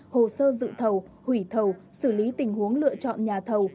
hồ sơ dự thầu hủy thầu xử lý tình huống lựa chọn nhà thầu